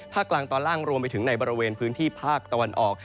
กลางตอนล่างรวมไปถึงในบริเวณพื้นที่ภาคตะวันออก